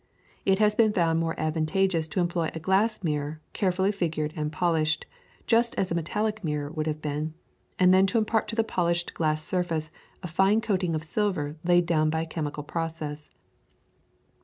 It has been found more advantageous to employ a glass mirror carefully figured and polished, just as a metallic mirror would have been, and then to impart to the polished glass surface a fine coating of silver laid down by a chemical process.